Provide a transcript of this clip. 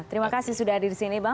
terima kasih sudah hadir di sini bang